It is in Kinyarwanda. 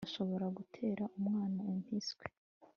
ashobora gutera umwana impiswi